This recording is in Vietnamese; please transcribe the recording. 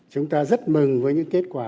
chúng ta rất mừng với những kết quả